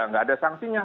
tidak ada sanksinya